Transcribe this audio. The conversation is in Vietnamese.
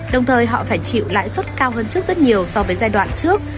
đồng thời họ phải chịu lãi suất cao hơn trước rất nhiều so với giai đoạn trước